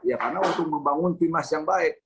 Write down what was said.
ya karena untuk membangun timnas yang baik